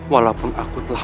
walaupun aku telah